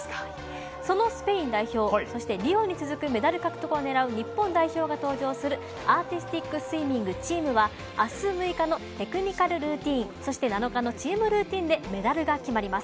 そのスペイン代表そして、リオに続くメダル獲得を狙う日本代表が登場するアーティスティックスイミングチームは、明日６日のテクニカルルーティンそして７日のチームルーティンでメダルが決まります。